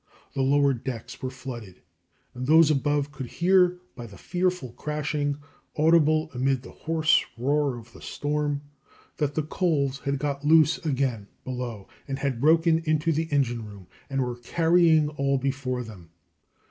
The lower decks were flooded, and those above could hear by the fearful crashing audible amid the hoarse roar of the storm that the coals had got loose again below, and had broken into the engine room, and were carrying all before them.